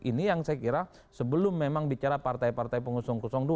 ini yang saya kira sebelum memang bicara partai partai pengusung dua